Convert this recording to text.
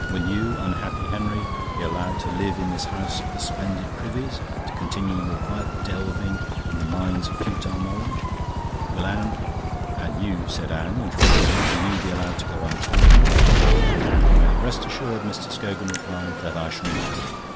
Will you, unhappy Henry, be allowed to live in this house of the splendid privies, to continue your quiet delving in the mines of futile knowledge? Will Anne..." "And you," said Anne, interrupting him, "will you be allowed to go on talking?" "You may rest assured," Mr. Scogan replied, "that I shall not.